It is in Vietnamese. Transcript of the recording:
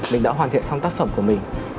mình đã hoàn thiện xong tác phẩm của mình